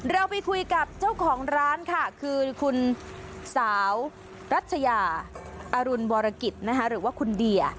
เราไปคุยกับเจ้าของร้านค่ะคือคุณสาวรัชยาอรุณวรกิจนะคะหรือว่าคุณเดีย